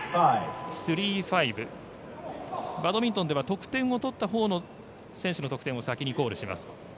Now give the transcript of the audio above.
バドミントンでは得点を取ったほうの選手の得点を先にコールします。